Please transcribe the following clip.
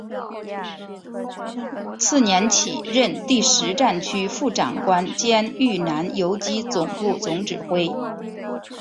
次年起任第十战区副长官兼豫南游击总部总指挥。